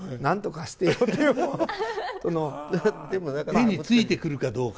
手についてくるかどうか。